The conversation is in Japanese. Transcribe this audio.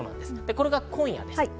これが今夜です。